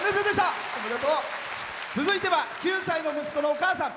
続いては９歳の息子のお母さん。